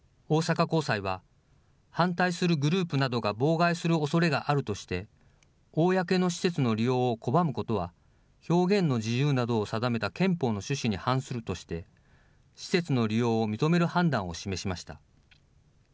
大阪高裁は、反対するグループなどが妨害するおそれがあるとして、公の施設の利用を拒むことは、表現の自由などを定めた憲法の趣旨に反するとして、施設の利用を認める判断を示しました。